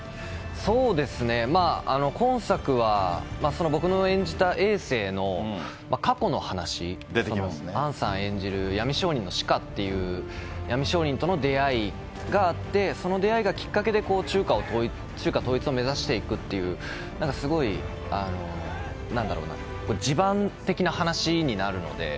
そうですね、今作はその僕の演じたえい政の過去の話、杏さん演じる闇商人の紫夏っていう、闇商人との出会いがあって、その出会いがきっかけで中華統一を目指していくという、なんかすごい、なんだろうな、地盤的な話になるので。